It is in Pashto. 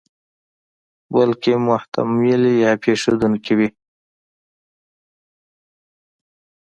بلکې محتملې یا پېښېدونکې وي.